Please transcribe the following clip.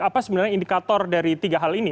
apa sebenarnya indikator dari tiga hal ini